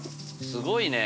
すごいね。